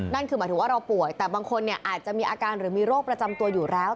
นั่นคือหมายถึงว่าเราป่วยแต่บางคนอาจจะมีอาการหรือมีโรคประจำตัวอยู่แล้ว